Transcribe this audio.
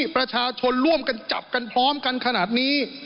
ประชาชนร่วมกันจับกันพร้อมกันขนาดนี้